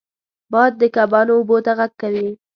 باد د کبانو اوبو ته غږ کوي